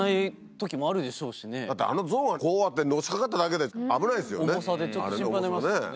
だってあのゾウがこうやってのしかかっただけで危ないですよね。